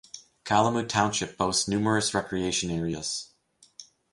Calumet Township boasts numerous recreation areas.